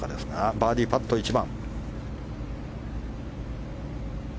バーディーパット、１番。